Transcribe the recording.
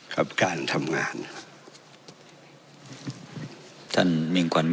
กับการทำงาน